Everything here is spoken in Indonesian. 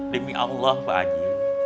demi allah pak haji